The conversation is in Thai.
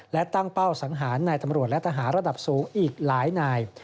และตั้งเป้าสังหารนายตำรวจและทหารระดับสูงอีกหลายนาย